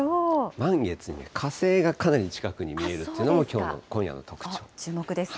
満月に火星がかなり近くに見えるというのがきょうの、今夜の注目ですね。